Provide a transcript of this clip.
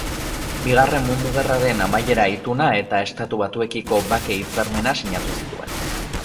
Bigarren Mundu Gerraren amaiera-ituna eta Estatu Batuekiko bake-hitzarmena sinatu zituen.